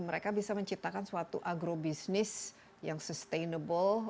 mereka bisa menciptakan suatu agrobisnis yang sustainable